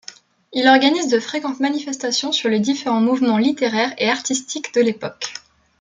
Il organise de fréquentes manifestations sur les différents mouvements littéraires et artistiques de l’époque.